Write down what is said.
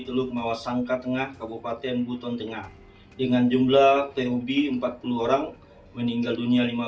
teluk mawasangka tengah kabupaten buton tengah dengan jumlah tob empat puluh orang meninggal dunia